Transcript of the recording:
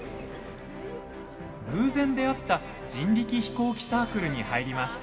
偶然出会った人力飛行機サークルに入ります。